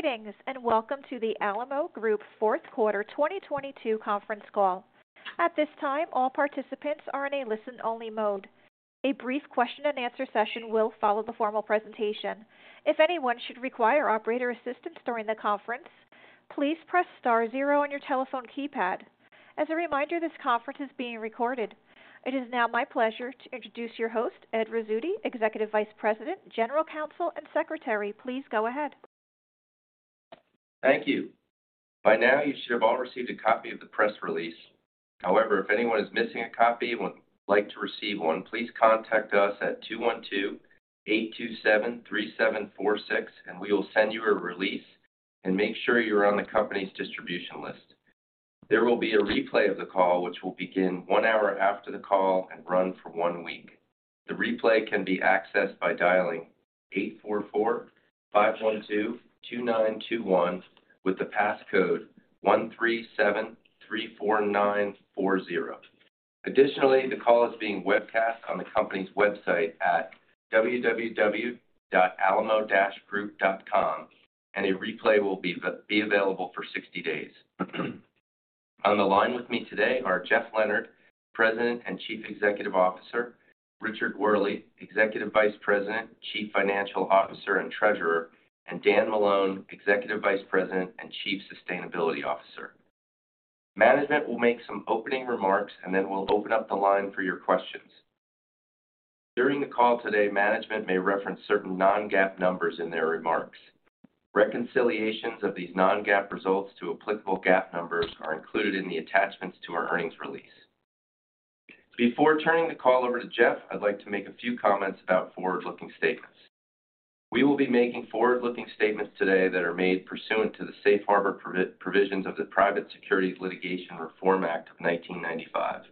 Greetings, and welcome to the Alamo Group fourth quarter 2022 conference call. At this time, all participants are in a listen-only mode. A brief question and answer session will follow the formal presentation. If anyone should require operator assistance during the conference, please press star 0 on your telephone keypad. As a reminder, this conference is being recorded. It is now my pleasure to introduce your host, Ed Rizzuti, Executive Vice President, General Counsel, and Secretary. Please go ahead. Thank you. By now, you should have all received a copy of the press release. However, if anyone is missing a copy and would like to receive one, please contact us at 212-827-3746. We will send you a release and make sure you're on the company's distribution list. There will be a replay of the call, which will begin one hour after the call and run for one week. The replay can be accessed by dialing 844-512-2921 with the passcode 13734940. Additionally, the call is being webcast on the company's website at www.alamo-group.com. A replay will be available for 60 days. On the line with me today are Jeff Leonard, President and Chief Executive Officer, Richard Wehrle, Executive Vice President, Chief Financial Officer, and Treasurer, and Dan Malone, Executive Vice President and Chief Sustainability Officer. Management will make some opening remarks, and then we'll open up the line for your questions. During the call today, management may reference certain non-GAAP numbers in their remarks. Reconciliations of these non-GAAP results to applicable GAAP numbers are included in the attachments to our earnings release. Before turning the call over to Jeff, I'd like to make a few comments about forward-looking statements. We will be making forward-looking statements today that are made pursuant to the Safe Harbor provisions of the Private Securities Litigation Reform Act of 1995.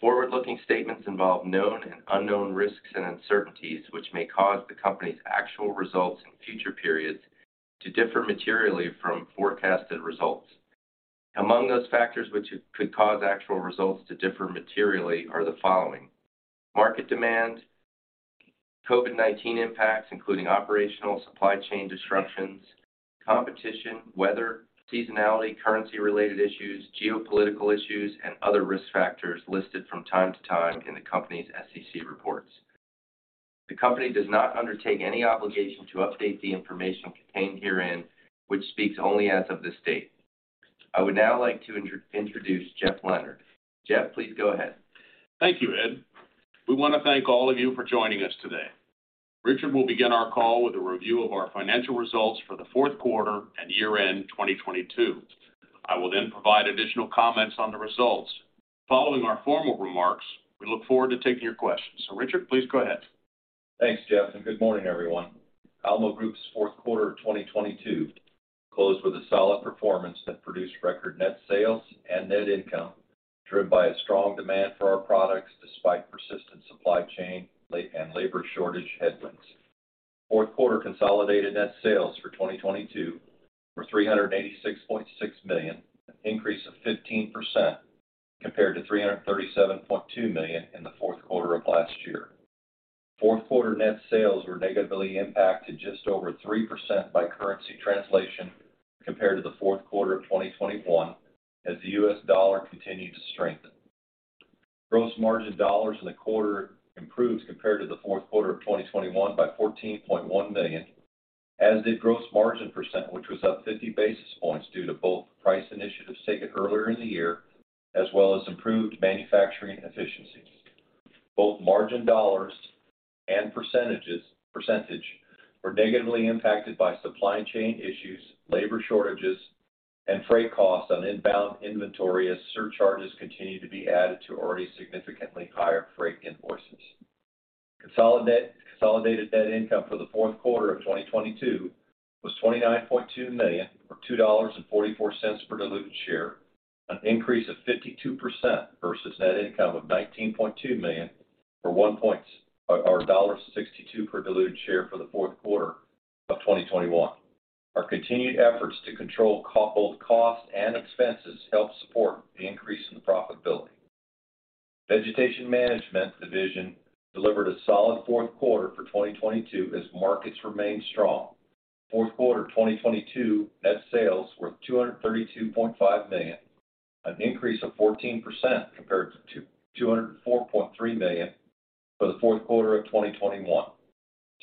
Forward-looking statements involve known and unknown risks and uncertainties, which may cause the company's actual results in future periods to differ materially from forecasted results. Among those factors which could cause actual results to differ materially are the following: market demand, COVID-19 impacts, including operational supply chain disruptions, competition, weather, seasonality, currency-related issues, geopolitical issues, and other risk factors listed from time to time in the company's SEC reports. The company does not undertake any obligation to update the information contained herein, which speaks only as of this date. I would now like to introduce Jeff Leonard. Jeff, please go ahead. Thank you, Ed. We want to thank all of you for joining us today. Richard will begin our call with a review of our financial results for the fourth quarter and year-end 2022. I will then provide additional comments on the results. Following our formal remarks, we look forward to taking your questions. Richard, please go ahead. Thanks, Jeff, good morning, everyone. Alamo Group's fourth quarter of 2022 closed with a solid performance that produced record net sales and net income, driven by a strong demand for our products despite persistent supply chain and labor shortage headwinds. Fourth quarter consolidated net sales for 2022 were $386.6 million, an increase of 15% compared to $337.2 million in the fourth quarter of last year. Fourth quarter net sales were negatively impacted just over 3% by currency translation compared to the fourth quarter of 2021 as the US dollar continued to strengthen. Gross margin dollars in the quarter improved compared to the fourth quarter of 2021 by $14.1 million, as did gross margin percent, which was up 50 basis points due to both price initiatives taken earlier in the year, as well as improved manufacturing efficiencies. Both margin dollars and percentage were negatively impacted by supply chain issues, labor shortages, and freight costs on inbound inventory as surcharges continued to be added to already significantly higher freight invoices. Consolidated net income for the fourth quarter of 2022 was $29.2 million, or $2.44 per diluted share, an increase of 52% versus net income of $19.2 million or $1.62 per diluted share for the fourth quarter of 2021. Our continued efforts to control both costs and expenses helped support the increase in the profitability. Vegetation Management division delivered a solid fourth quarter for 2022 as markets remained strong. Fourth quarter 2022 net sales were $232.5 million, an increase of 14% compared to $204.3 million for the fourth quarter of 2021.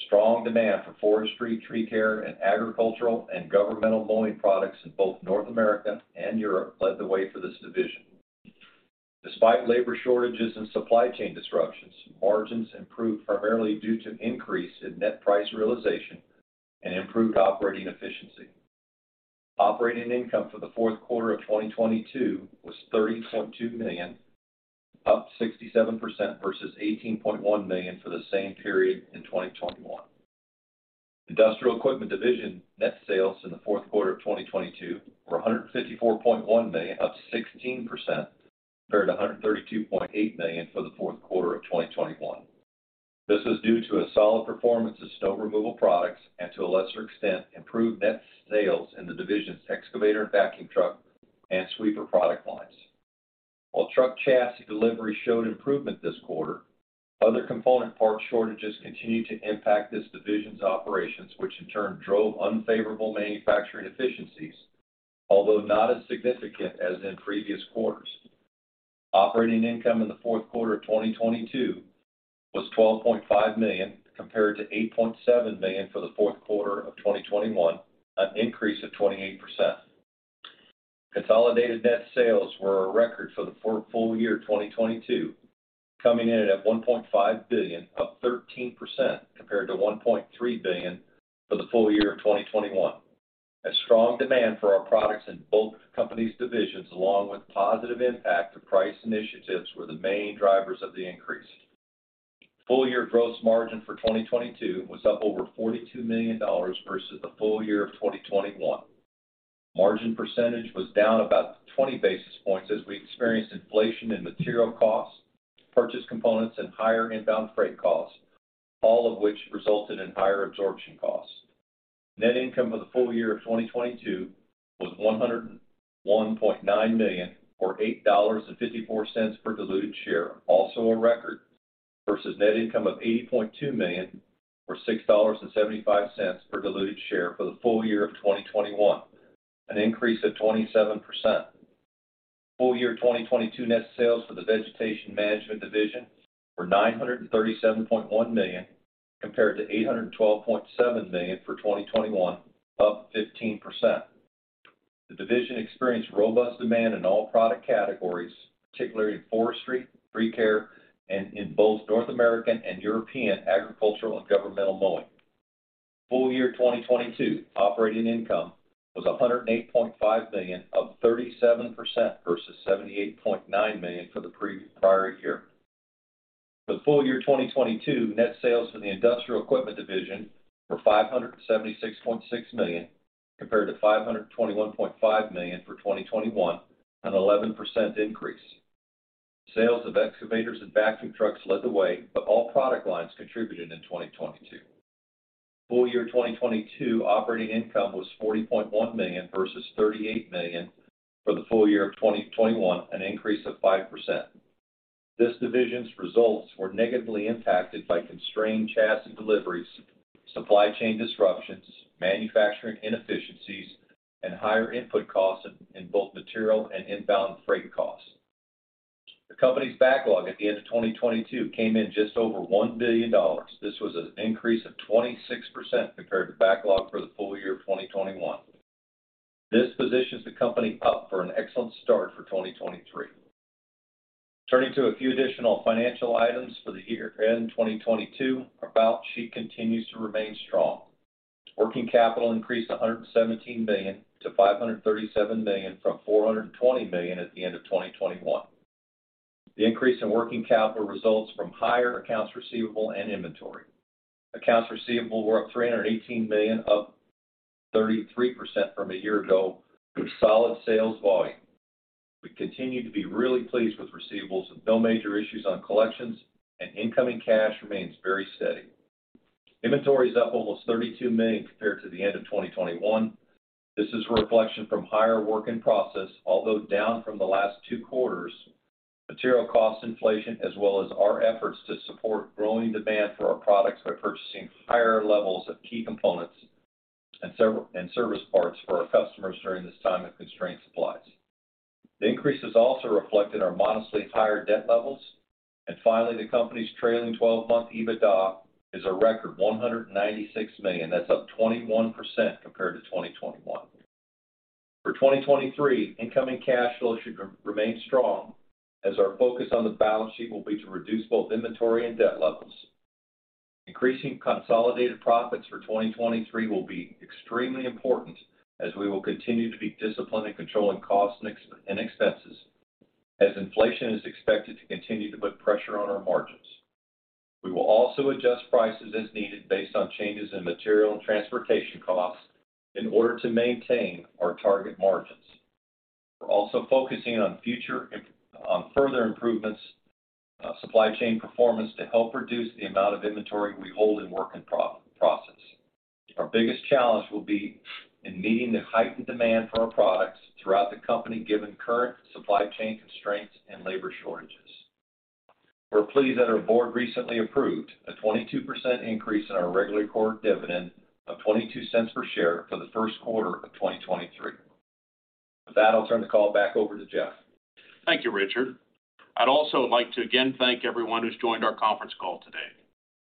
Strong demand for forestry, tree care, and agricultural and governmental mowing products in both North America and Europe led the way for this division. Despite labor shortages and supply chain disruptions, margins improved primarily due to an increase in net price realization and improved operating efficiency. Operating income for the fourth quarter of 2022 was $30.2 million, up 67% versus $18.1 million for the same period in 2021. Industrial Equipment division net sales in the fourth quarter of 2022 were $154.1 million, up 16% compared to $132.8 million for the fourth quarter of 2021. This was due to a solid performance of snow removal products and to a lesser extent, improved net sales in the division's excavator and vacuum truck and sweeper product lines. While truck chassis delivery showed improvement this quarter, other component part shortages continued to impact this division's operations, which in turn drove unfavorable manufacturing efficiencies, although not as significant as in previous quarters. Operating income in the fourth quarter of 2022 was $12.5 million, compared to $8.7 million for the fourth quarter of 2021, an increase of 28%. Consolidated net sales were a record for the full year of 2022, coming in at $1.5 billion, up 13% compared to $1.3 billion for the full year of 2021. A strong demand for our products in both companies divisions, along with positive impact of price initiatives, were the main drivers of the increase. Full year gross margin for 2022 was up over $42 million versus the full year of 2021. Margin percentage was down about 20 basis points as we experienced inflation in material costs, purchase components, and higher inbound freight costs, all of which resulted in higher absorption costs. Net income for the full year of 2022 was $101.9 million, or $8.54 per diluted share, also a record, versus net income of $80.2 million, or $6.75 per diluted share for the full year of 2021, an increase of 27%. Full year 2022 net sales for the Vegetation Management division were $937.1 million, compared to $812.7 million for 2021, up 15%. The division experienced robust demand in all product categories, particularly in forestry, tree care, and in both North American and European agricultural and governmental mowing. Full year 2022 operating income was $108.5 million, up 37% versus $78.9 million for the prior year. For the full year of 2022, net sales for the Industrial Equipment division were $576.6 million, compared to $521.5 million for 2021, an 11% increase. Sales of excavators and vacuum trucks led the way, but all product lines contributed in 2022. Full year 2022 operating income was $40.1 million versus $38 million for the full year of 2021, an increase of 5%. This division's results were negatively impacted by constrained chassis deliveries, supply chain disruptions, manufacturing inefficiencies, and higher input costs in both material and inbound freight costs. The company's backlog at the end of 2022 came in just over $1 billion. This was an increase of 26% compared to backlog for the full year of 2021. This positions the company up for an excellent start for 2023. Turning to a few additional financial items for the year-end 2022, our balance sheet continues to remain strong. Working capital increased $117 million to $537 million from $420 million at the end of 2021. The increase in working capital results from higher accounts receivable and inventory. Accounts receivable were up $318 million, up 33% from a year ago with solid sales volume. We continue to be really pleased with receivables and no major issues on collections, and incoming cash remains very steady. Inventory is up almost $32 million compared to the end of 2021. This is a reflection from higher work in process, although down from the last two quarters. Material cost inflation, as well as our efforts to support growing demand for our products by purchasing higher levels of key components and service parts for our customers during this time of constrained supplies. The increase has also reflected our modestly higher debt levels. Finally, the company's trailing 12-month EBITDA is a record $196 million. That's up 21% compared to 2021. For 2023, incoming cash flow should remain strong as our focus on the balance sheet will be to reduce both inventory and debt levels. Increasing consolidated profits for 2023 will be extremely important as we will continue to be disciplined in controlling costs and expenses as inflation is expected to continue to put pressure on our margins. We will also adjust prices as needed based on changes in material and transportation costs in order to maintain our target margins. We're also focusing on further improvements of supply chain performance to help reduce the amount of inventory we hold in work in process. Our biggest challenge will be in meeting the heightened demand for our products throughout the company, given current supply chain constraints and labor shortages. We're pleased that our board recently approved a 22% increase in our regular quarter dividend of $0.22 per share for the first quarter of 2023. With that, I'll turn the call back over to Jeff. Thank you, Richard. I'd also like to again thank everyone who's joined our conference call today.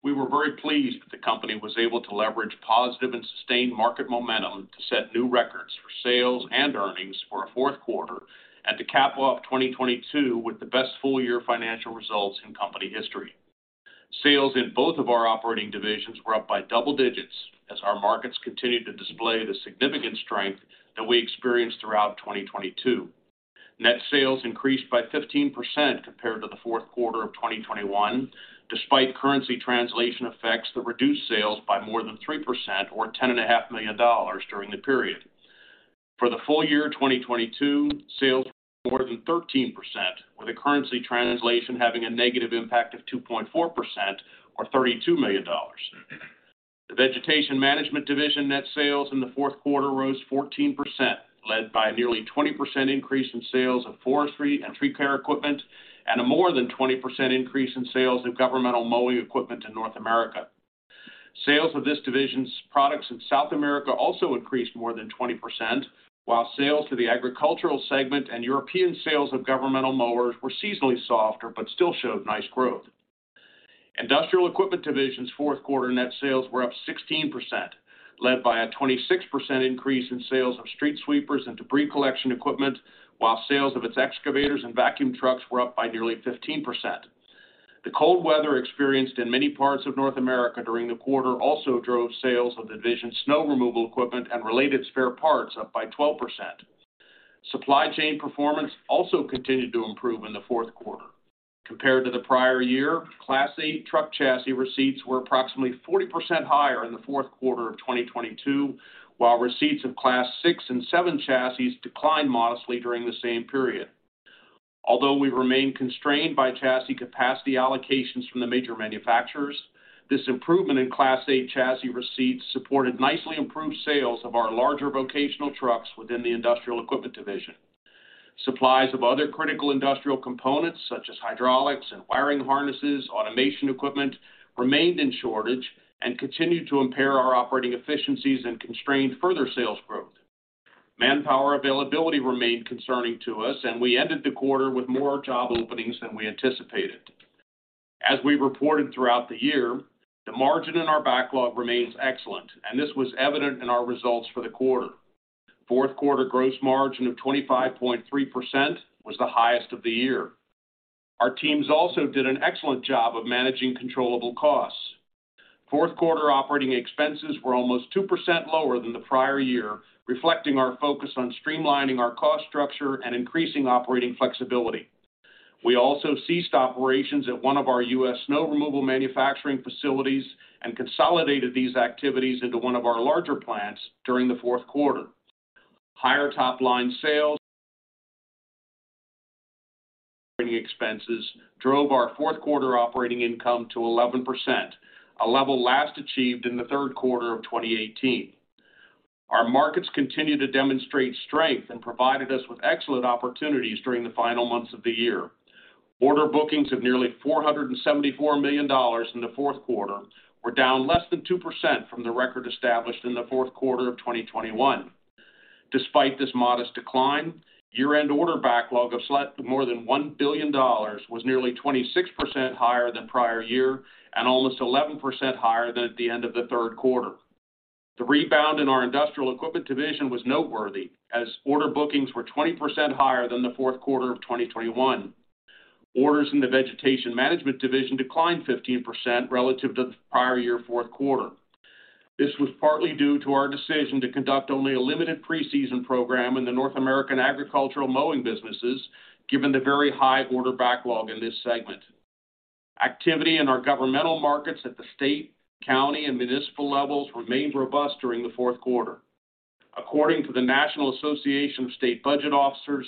We were very pleased that the company was able to leverage positive and sustained market momentum to set new records for sales and earnings for our fourth quarter, and to cap off 2022 with the best full year financial results in company history. Sales in both of our operating divisions were up by double digits as our markets continued to display the significant strength that we experienced throughout 2022. Net sales increased by 15% compared to the fourth quarter of 2021, despite currency translation effects that reduced sales by more than 3% or ten and a half million dollars during the period. For the full year of 2022, sales were more than 13%, with the currency translation having a negative impact of 2.4% or $32 million. The Vegetation Management Division net sales in the fourth quarter rose 14%, led by a nearly 20% increase in sales of forestry and tree care equipment and a more than 20% increase in sales of governmental mowing equipment in North America. Sales of this division's products in South America also increased more than 20%, while sales to the agricultural segment and European sales of governmental mowers were seasonally softer but still showed nice growth. Industrial Equipment Division's fourth quarter net sales were up 16%, led by a 26% increase in sales of street sweepers and debris collection equipment, while sales of its excavators and vacuum trucks were up by nearly 15%. The cold weather experienced in many parts of North America during the quarter also drove sales of the division's snow removal equipment and related spare parts up by 12%. Supply chain performance also continued to improve in the fourth quarter. Compared to the prior year, Class 8 truck chassis receipts were approximately 40% higher in the fourth quarter of 2022, while receipts of Class 6 and 7 chassis declined modestly during the same period. Although we remain constrained by chassis capacity allocations from the major manufacturers, this improvement in Class 8 chassis receipts supported nicely improved sales of our larger vocational trucks within the Industrial Equipment Division. Supplies of other critical industrial components, such as hydraulics and wiring harnesses, automation equipment, remained in shortage and continued to impair our operating efficiencies and constrained further sales growth. Manpower availability remained concerning to us. We ended the quarter with more job openings than we anticipated. As we reported throughout the year, the margin in our backlog remains excellent, and this was evident in our results for the quarter. Fourth quarter gross margin of 25.3% was the highest of the year. Our teams also did an excellent job of managing controllable costs. Fourth quarter operating expenses were almost 2% lower than the prior year, reflecting our focus on streamlining our cost structure and increasing operating flexibility. We also ceased operations at one of our U.S. snow removal manufacturing facilities and consolidated these activities into one of our larger plants during the fourth quarter. Higher top-line sales and lower operating expenses drove our fourth quarter operating income to 11%, a level last achieved in the third quarter of 2018. Our markets continued to demonstrate strength and provided us with excellent opportunities during the final months of the year. Order bookings of nearly $474 million in the fourth quarter were down less than 2% from the record established in the fourth quarter of 2021. Despite this modest decline, year-end order backlog of more than $1 billion was nearly 26% higher than prior year and almost 11% higher than at the end of the third quarter. The rebound in our Industrial Equipment Division was noteworthy as order bookings were 20% higher than the fourth quarter of 2021. Orders in the Vegetation Management Division declined 15% relative to the prior year fourth quarter. This was partly due to our decision to conduct only a limited preseason program in the North American agricultural mowing businesses, given the very high order backlog in this segment. Activity in our governmental markets at the state, county, and municipal levels remained robust during the fourth quarter. According to the National Association of State Budget Officers,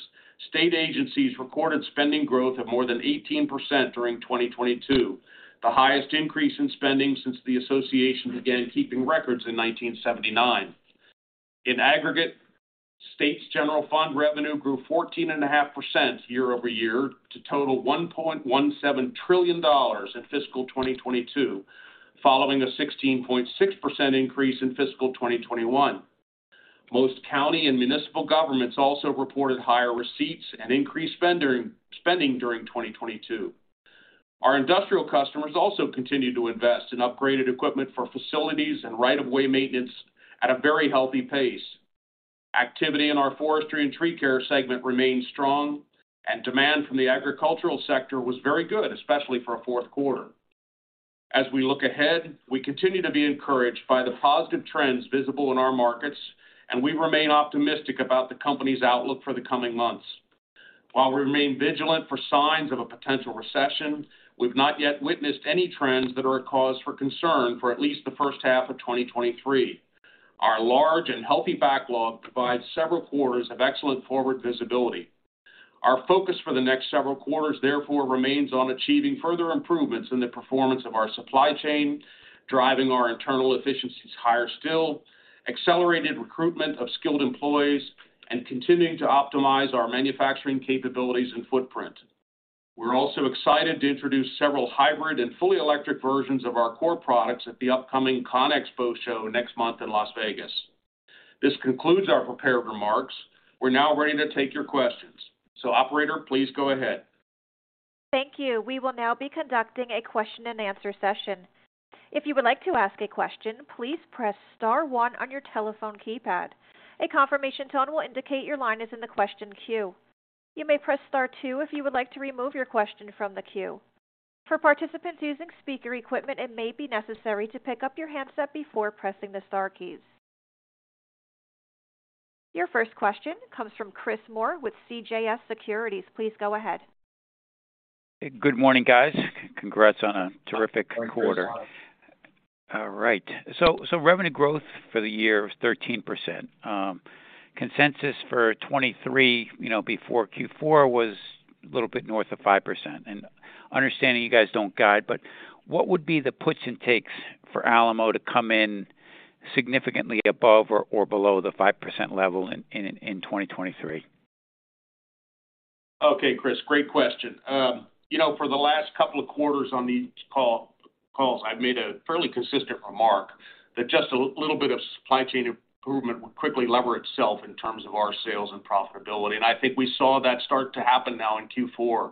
state agencies reported spending growth of more than 18% during 2022, the highest increase in spending since the association began keeping records in 1979. In aggregate, states' general fund revenue grew 14.5% year-over-year to total $1.17 trillion in fiscal 2022, following a 16.6% increase in fiscal 2021. Most county and municipal governments also reported higher receipts and increased spending during 2022. Our industrial customers also continued to invest in upgraded equipment for facilities and right of way maintenance at a very healthy pace. Activity in our forestry and tree care segment remained strong and demand from the agricultural sector was very good, especially for a 4th quarter. As we look ahead, we continue to be encouraged by the positive trends visible in our markets, and we remain optimistic about the company's outlook for the coming months. While we remain vigilant for signs of a potential recession, we've not yet witnessed any trends that are a cause for concern for at least the first half of 2023. Our large and healthy backlog provides several quarters of excellent forward visibility. Our focus for the next several quarters, therefore, remains on achieving further improvements in the performance of our supply chain, driving our internal efficiencies higher still, accelerated recruitment of skilled employees, and continuing to optimize our manufacturing capabilities and footprint. We're also excited to introduce several hybrid and fully electric versions of our core products at the upcoming CONEXPO show next month in Las Vegas. This concludes our prepared remarks. We're now ready to take your questions. Operator, please go ahead. Thank you. We will now be conducting a question and answer session. If you would like to ask a question, please press star one on your telephone keypad. A confirmation tone will indicate your line is in the question queue. You may press star two if you would like to remove your question from the queue. For participants using speaker equipment, it may be necessary to pick up your handset before pressing the star keys. Your first question comes from Chris Moore with CJS Securities. Please go ahead. Good morning, guys. Congrats on a terrific quarter. All right. Revenue growth for the year was 13%. Consensus for 2023, you know, before Q4 was a little bit north of 5%. Understanding you guys don't guide, but what would be the puts and takes for Alamo to come in significantly above or below the 5% level in 2023? Okay, Chris, great question. you know, for the last couple of quarters on these calls, I've made a fairly consistent remark that just a little bit of supply chain improvement will quickly lever itself in terms of our sales and profitability. I think we saw that start to happen now in Q4.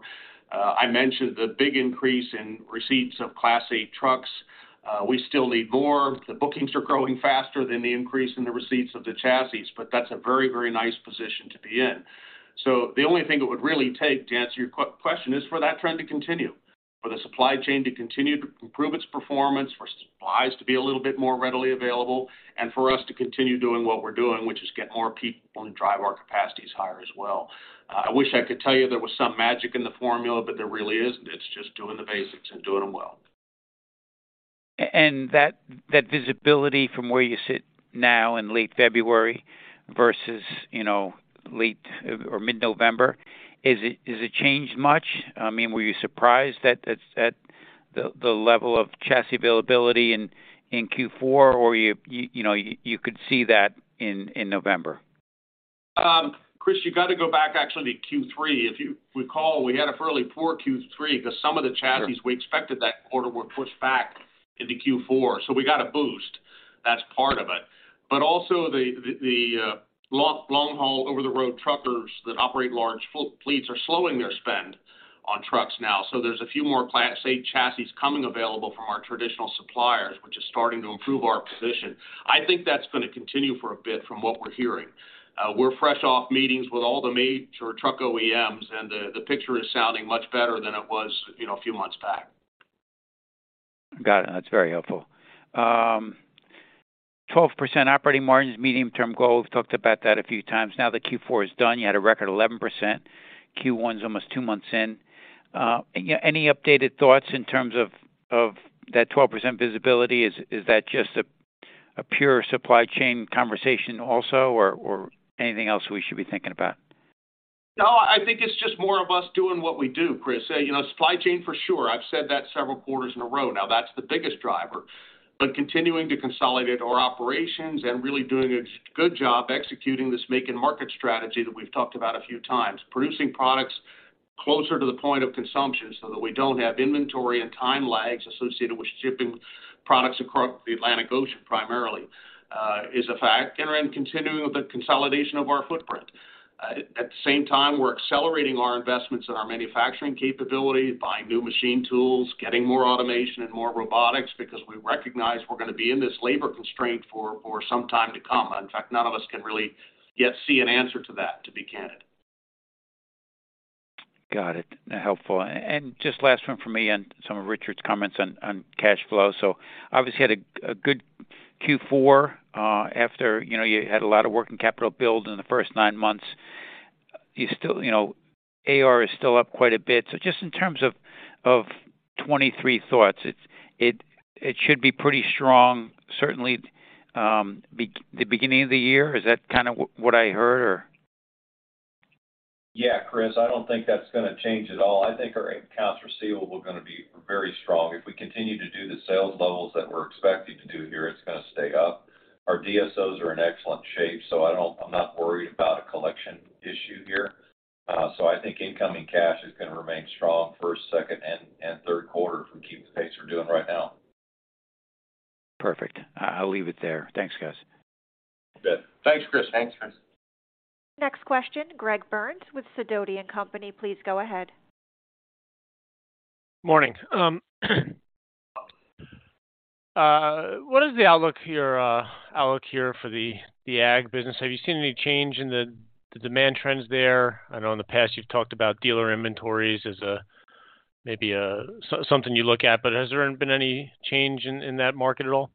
I mentioned the big increase in receipts of Class A trucks. we still need more. The bookings are growing faster than the increase in the receipts of the chassis, but that's a very, very nice position to be in. The only thing it would really take, to answer your question, is for that trend to continue. For the supply chain to continue to improve its performance, for supplies to be a little bit more readily available, and for us to continue doing what we're doing, which is get more people and drive our capacities higher as well. I wish I could tell you there was some magic in the formula, but there really isn't. It's just doing the basics and doing them well. That visibility from where you sit now in late February versus, you know, late or mid-November, is it changed much? I mean, were you surprised at the level of chassis availability in Q4? You know, you could see that in November? Chris, you gotta go back actually to Q3. If you recall, we had a fairly poor Q3 'cause some of the. We expected that quarter were pushed back into Q4. We got a boost. That's part of it. Also the long haul over the road truckers that operate large full fleets are slowing their spend on trucks now. There's a few more Class A chassis coming available from our traditional suppliers, which is starting to improve our position. I think that's gonna continue for a bit from what we're hearing. We're fresh off meetings with all the major truck OEMs, and the picture is sounding much better than it was, you know, a few months back. Got it. That's very helpful. 12% operating margins, medium-term goal. We've talked about that a few times. Now that Q4 is done, you had a record 11%. Q1's almost two months in. Any updated thoughts in terms of that 12% visibility? Is that just a pure supply chain conversation also or anything else we should be thinking about? No, I think it's just more of us doing what we do, Chris. You know, supply chain for sure. I've said that several quarters in a row now. That's the biggest driver. Continuing to consolidate our operations and really doing a good job executing this make and market strategy that we've talked about a few times. Producing products closer to the point of consumption so that we don't have inventory and time lags associated with shipping products across the Atlantic Ocean, primarily, is a factor in continuing with the consolidation of our footprint. At the same time, we're accelerating our investments in our manufacturing capability, buying new machine tools, getting more automation and more robotics because we recognize we're gonna be in this labor constraint for some time to come. In fact, none of us can really yet see an answer to that, to be candid. Got it. Helpful. Just last one from me and some of Richard's comments on cash flow. Obviously had a good Q4, after, you know, you had a lot of work in capital build in the first nine months. You still, you know, AR is still up quite a bit. Just in terms of 2023 thoughts, it, it should be pretty strong, certainly, the beginning of the year. Is that kind of what I heard or? Yeah, Chris. I don't think that's gonna change at all. I think our accounts receivable are gonna be very strong. If we continue to do the sales levels that we're expecting to do here, it's gonna stay up. Our DSOs are in excellent shape, so I'm not worried about a collection issue here. I think incoming cash is gonna remain strong first, second, and third quarter if we keep the pace we're doing right now. Perfect. I'll leave it there. Thanks, guys. Good. Thanks, Chris. Thanks, Chris. Next question, Greg Burns with Sidoti & Company. Please go ahead. Morning. What is the outlook here for the ag business? Have you seen any change in the demand trends there? I know in the past you've talked about dealer inventories as maybe a something you look at, but has there been any change in that market at all?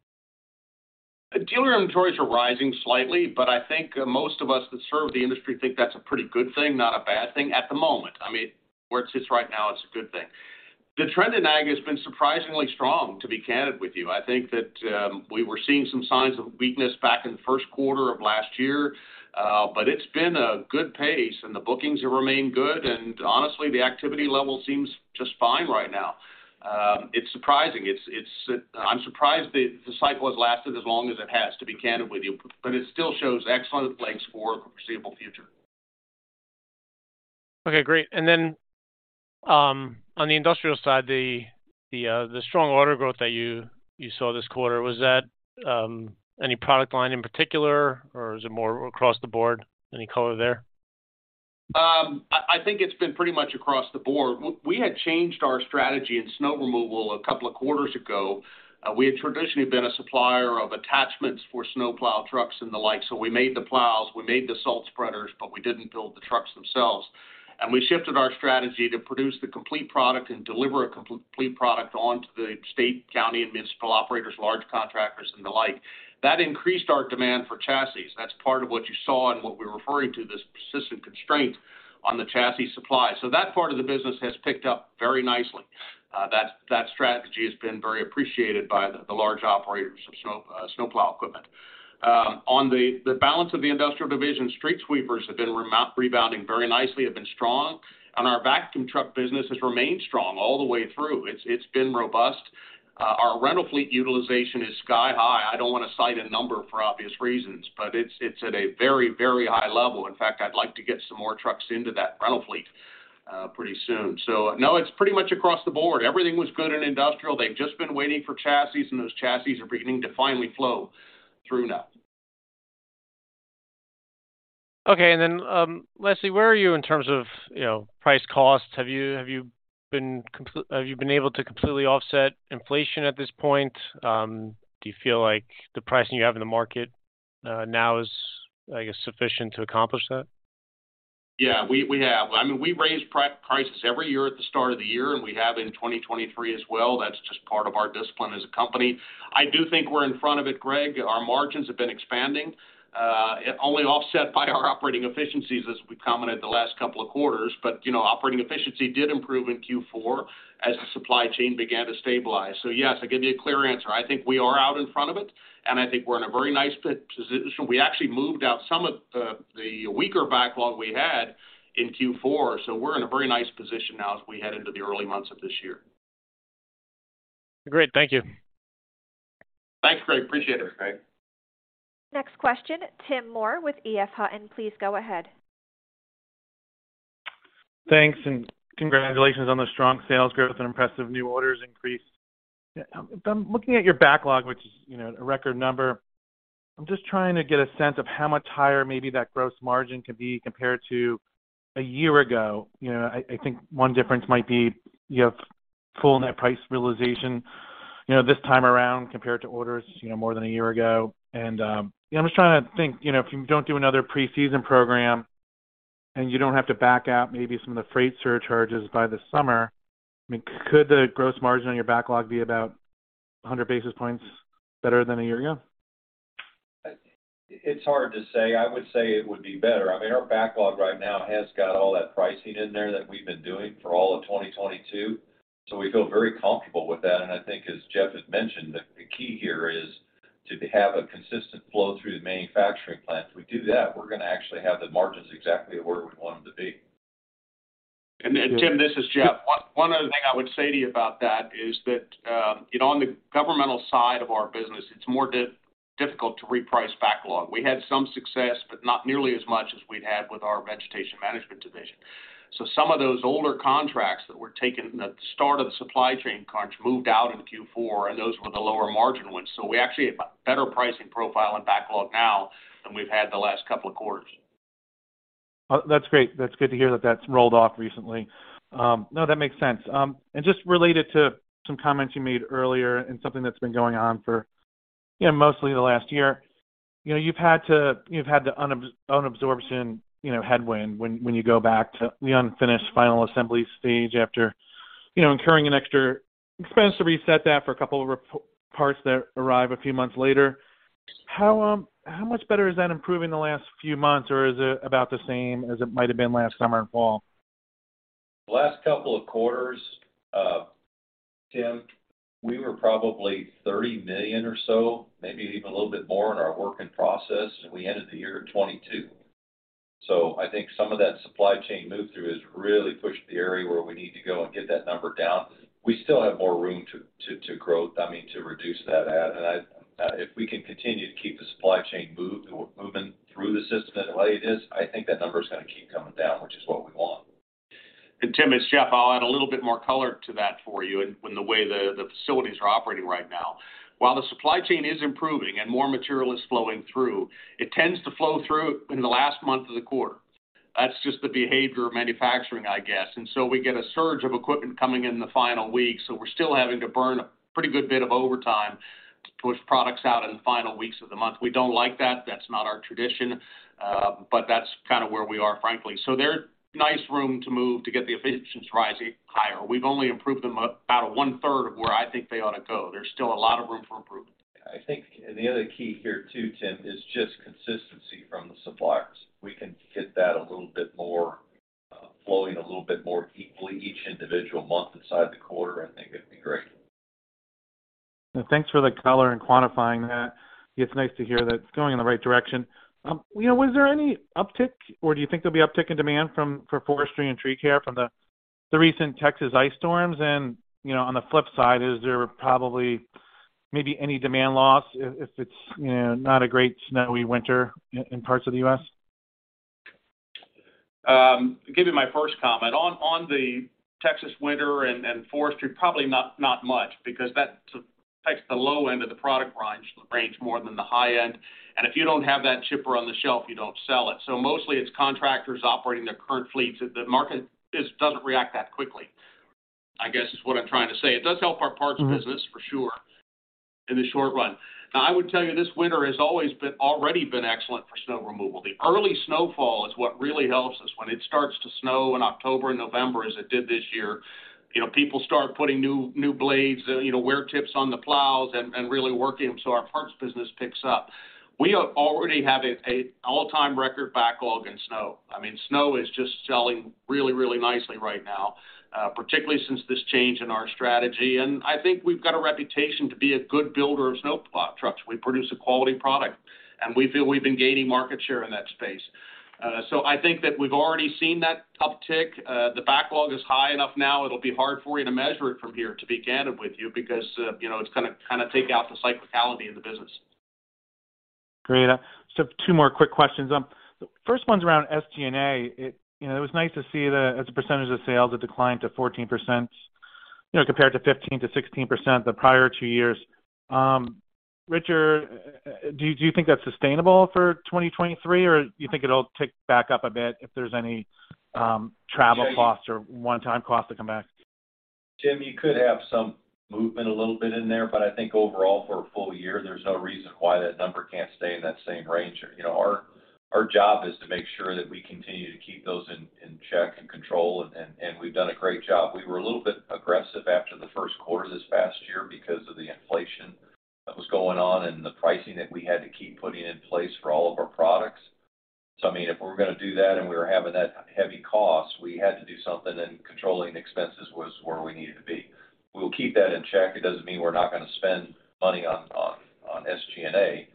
Dealer inventories are rising slightly, but I think most of us that serve the industry think that's a pretty good thing, not a bad thing at the moment. I mean, where it sits right now, it's a good thing. The trend in ag has been surprisingly strong, to be candid with you. I think that we were seeing some signs of weakness back in the first quarter of last year, but it's been a good pace and the bookings have remained good and honestly, the activity level seems just fine right now. It's surprising. I'm surprised the cycle has lasted as long as it has, to be candid with you. It still shows excellent legs for foreseeable future. Okay, great. On the industrial side, the strong order growth that you saw this quarter, was that any product line in particular or is it more across the board? Any color there? I think it's been pretty much across the board. We had changed our strategy in snow removal a couple of quarters ago. We had traditionally been a supplier of attachments for snow plow trucks and the like. We made the plows, we made the salt spreaders, but we didn't build the trucks themselves. We shifted our strategy to produce the complete product and deliver a complete product onto the state, county, and municipal operators, large contractors and the like. That increased our demand for chassis. That's part of what you saw and what we're referring to, this persistent constraint on the chassis supply. That part of the business has picked up very nicely. That strategy has been very appreciated by the large operators of snow, snowplow equipment. On the balance of the Industrial division, street sweepers have been rebounding very nicely, have been strong. Our vacuum truck business has remained strong all the way through. It's been robust. Our rental fleet utilization is sky-high. I don't wanna cite a number for obvious reasons, but it's at a very, very high level. In fact, I'd like to get some more trucks into that rental fleet pretty soon. No, it's pretty much across the board. Everything was good in Industrial. They've just been waiting for chassis. Those chassis are beginning to finally flow through now. Okay. Lastly, where are you in terms of, you know, price costs? Have you been able to completely offset inflation at this point? Do you feel like the pricing you have in the market, now is, I guess, sufficient to accomplish that? Yeah, we have. I mean, we raise prices every year at the start of the year, and we have in 2023 as well. That's just part of our discipline as a company. I do think we're in front of it, Greg. Our margins have been expanding, only offset by our operating efficiencies as we commented the last couple of quarters. You know, operating efficiency did improve in Q4 as the supply chain began to stabilize. Yes, I'll give you a clear answer. I think we are out in front of it, and I think we're in a very nice position. We actually moved out some of the weaker backlog we had in Q4. We're in a very nice position now as we head into the early months of this year. Great. Thank you. Thanks, Greg. Appreciate it, Greg. Next question, Tim Moore with EF Hutton. Please go ahead. Thanks, and congratulations on the strong sales growth and impressive new orders increase. I'm looking at your backlog, which is, you know, a record number. I'm just trying to get a sense of how much higher maybe that gross margin could be compared to a year ago. You know, I think one difference might be you have full net price realization, you know, this time around compared to orders, you know, more than a year ago. You know, I'm just trying to think, you know, if you don't do another preseason program and you don't have to back out maybe some of the freight surcharges by the summer, I mean, could the gross margin on your backlog be about 100 basis points better than a year ago? It's hard to say. I would say it would be better. I mean, our backlog right now has got all that pricing in there that we've been doing for all of 2022, so we feel very comfortable with that. And I think as Jeff has mentioned, the key here is to have a consistent flow through the manufacturing plant. If we do that, we're gonna actually have the margins exactly where we want them to be. Tim, this is Jeff. One other thing I would say to you about that is that, you know, on the governmental side of our business, it's more difficult to reprice backlog. We had some success, but not nearly as much as we'd had with our Vegetation Management division. Some of those older contracts that were taken at the start of the supply chain crunch moved out in Q4, and those were the lower margin ones. We actually have a better pricing profile and backlog now than we've had the last couple of quarters. That's great. That's good to hear that that's rolled off recently. No, that makes sense. Just related to some comments you made earlier and something that's been going on for, you know, mostly the last year. You know, you've had the unabsorption, you know, headwind when you go back to the unfinished final assembly stage after, you know, incurring an extra expense to reset that for a couple of re-parts that arrive a few months later. How much better has that improved in the last few months, or is it about the same as it might have been last summer and fall? The last couple of quarters, Tim, we were probably $30 million or so, maybe even a little bit more in our work in process, and we ended the year at $22 million. I think some of that supply chain move-through has really pushed the area where we need to go and get that number down. We still have more room to growth, I mean, to reduce that. If we can continue to keep the supply chain moving through the system the way it is, I think that number is gonna keep coming down, which is what we want. Tim, it's Jeff. I'll add a little bit more color to that for you in the way the facilities are operating right now. While the supply chain is improving and more material is flowing through, it tends to flow through in the last month of the quarter. That's just the behavior of manufacturing, I guess. So we get a surge of equipment coming in the final week, so we're still having to burn a pretty good bit of overtime to push products out in the final weeks of the month. We don't like that. That's not our tradition, but that's kind of where we are, frankly. There's nice room to move to get the efficiencies rising higher. We've only improved them about a one-third of where I think they ought to go. There's still a lot of room for improvement. I think the other key here too, Tim, is just consistency from the suppliers. We can get that a little bit more, flowing a little bit more equally each individual month inside the quarter, I think it'd be great. Thanks for the color and quantifying that. It's nice to hear that it's going in the right direction. You know, was there any uptick, or do you think there'll be uptick in demand for forestry and tree care from the recent Texas ice storms? You know, on the flip side, is there probably maybe any demand loss if it's, you know, not a great snowy winter in parts of the US? Give you my first comment. On the Texas winter and forestry, probably not much because that affects the low end of the product range more than the high end. If you don't have that chipper on the shelf, you don't sell it. Mostly it's contractors operating their current fleets. The market doesn't react that quickly, I guess, is what I'm trying to say. It does help our parts business for sure in the short run. Now, I would tell you this winter has already been excellent for snow removal. The early snowfall is what really helps us. When it starts to snow in October and November as it did this year, you know, people start putting new blades, you know, wear tips on the plows and really working, so our parts business picks up. We already have a all-time record backlog in snow. I mean, snow is just selling really, really nicely right now, particularly since this change in our strategy. I think we've got a reputation to be a good builder of snowplow trucks. We produce a quality product, and we feel we've been gaining market share in that space. So I think that we've already seen that uptick. The backlog is high enough now, it'll be hard for you to measure it from here to be candid with you because, you know, it's gonna kinda take out the cyclicality of the business. Great. Just have two more quick questions. first one's around SG&A. It, you know, it was nice to see the, as a percentage of sales, it declined to 14%, you know, compared to 15%-16% the prior two years. Richard, do you think that's sustainable for 2023, or you think it'll tick back up a bit if there's any travel costs or one-time costs that come back? Tim, you could have some movement a little bit in there, but I think overall for a full year, there's no reason why that number can't stay in that same range. You know, our job is to make sure that we continue to keep those in check and control, and we've done a great job. We were a little bit aggressive after the first quarter this past year because of the inflation that was going on and the pricing that we had to keep putting in place for all of our products. I mean, if we're gonna do that and we were having that heavy cost, we had to do something, and controlling expenses was where we needed to be. We'll keep that in check. It doesn't mean we're not gonna spend money on SG&A.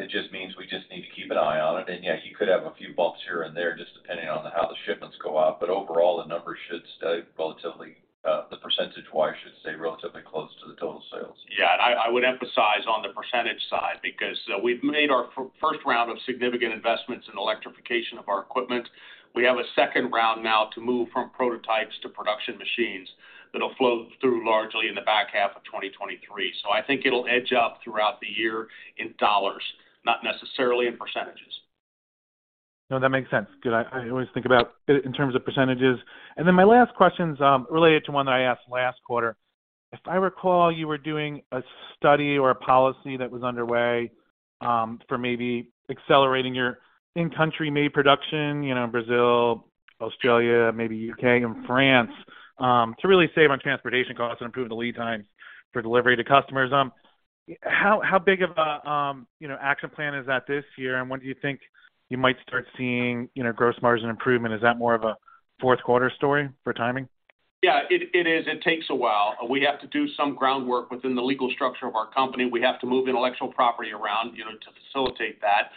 It just means we just need to keep an eye on it. Yeah, you could have a few bumps here and there just depending on how the shipments go out, but overall, the numbers should stay relatively, the percentage-wise should stay relatively close to the total sales. I would emphasize on the percentage side because we've made our first round of significant investments in electrification of our equipment. We have a second round now to move from prototypes to production machines that'll flow through largely in the back half of 2023. I think it'll edge up throughout the year in dollars, not necessarily in percentages. No, that makes sense. Good. I always think about it in terms of percentages. Then my last question's related to one that I asked last quarter. If I recall, you were doing a study or a policy that was underway, for maybe accelerating your in-country made production, you know, in Brazil, Australia, maybe UK and France, to really save on transportation costs and improve the lead times for delivery to customers. How big of a, you know, action plan is that this year, and when do you think you might start seeing, you know, gross margin improvement? Is that more of a fourth quarter story for timing? Yeah, it is. It takes a while. We have to do some groundwork within the legal structure of our company. We have to move intellectual property around, you know, to facilitate that.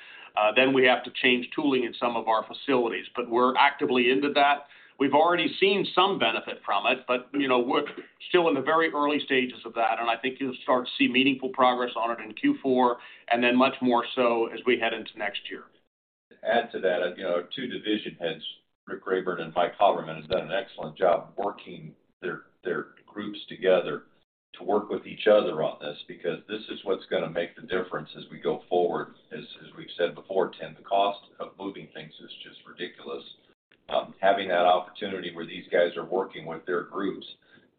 We have to change tooling in some of our facilities. We're actively into that. We've already seen some benefit from it, but, you know, we're still in the very early stages of that, and I think you'll start to see meaningful progress on it in Q4, and then much more so as we head into next year. To add to that, you know, our two division heads, Rick Rayburn and Mike Holloran, have done an excellent job working their groups together to work with each other on this because this is what's gonna make the difference as we go forward. As we've said before, Tim, the cost of moving things is just ridiculous. Having that opportunity where these guys are working with their groups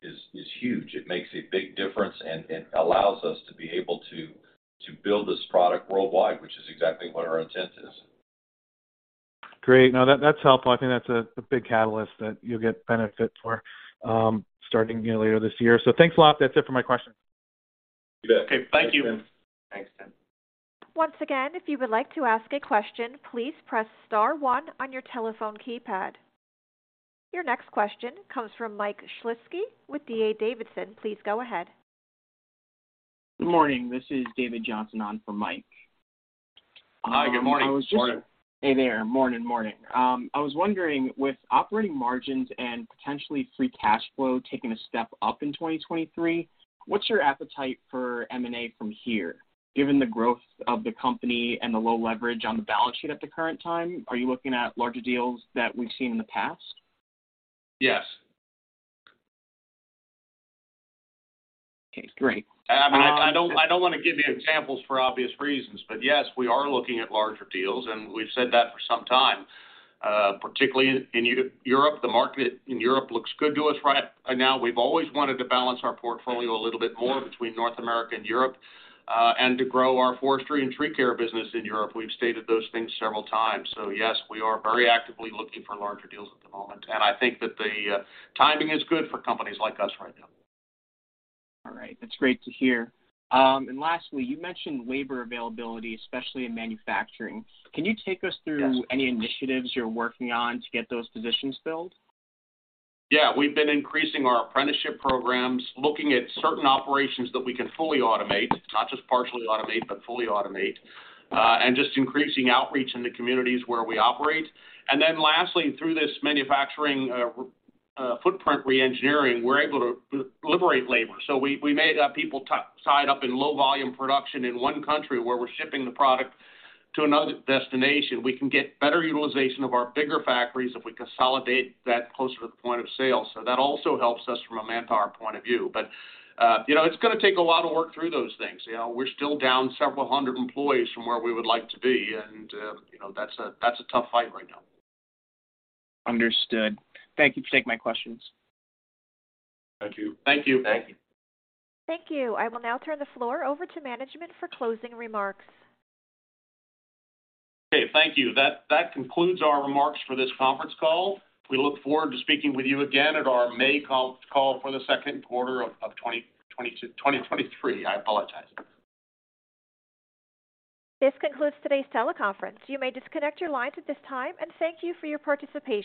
is huge. It makes a big difference and allows us to be able to build this product worldwide, which is exactly what our intent is. Great. No, that's helpful. I think that's a big catalyst that you'll get benefit for, starting, you know, later this year. Thanks a lot. That's it for my questions. You bet. Okay. Thank you. Thanks, Tim. Once again, if you would like to ask a question, please press star one on your telephone keypad. Your next question comes from Michael Shlisky with D.A. Davidson. Please go ahead. Good morning. This is David Johnson on for Mike. Hi. Good morning. I was just- Morning. Hey there. Morning, morning. I was wondering, with operating margins and potentially free cash flow taking a step up in 2023, what's your appetite for M&A from here? Given the growth of the company and the low leverage on the balance sheet at the current time, are you looking at larger deals that we've seen in the past? Yes. Okay, great. I don't wanna give you examples for obvious reasons. Yes, we are looking at larger deals, we've said that for some time, particularly in Europe. The market in Europe looks good to us right now. We've always wanted to balance our portfolio a little bit more between North America and Europe, to grow our forestry and tree care business in Europe. We've stated those things several times. Yes, we are very actively looking for larger deals at the moment. I think that the timing is good for companies like us right now. All right. That's great to hear. Lastly, you mentioned labor availability, especially in manufacturing. Can you take us through any initiatives you're working on to get those positions filled? Yeah. We've been increasing our apprenticeship programs, looking at certain operations that we can fully automate, not just partially automate, but fully automate, and just increasing outreach in the communities where we operate. Lastly, through this manufacturing footprint reengineering, we're able to liberate labor. We may have people tied up in low volume production in one country where we're shipping the product to another destination. We can get better utilization of our bigger factories if we consolidate that closer to the point of sale. That also helps us from a manpower point of view. You know, it's gonna take a lot of work through those things. You know, we're still down several hundred employees from where we would like to be and, you know, that's a tough fight right now. Understood. Thank you for taking my questions. Thank you. Thank you. Thank you. I will now turn the floor over to management for closing remarks. Okay, thank you. That concludes our remarks for this conference call. We look forward to speaking with you again at our May con-call for the second quarter of 2023. I apologize. This concludes today's teleconference. You may disconnect your lines at this time, and thank you for your participation.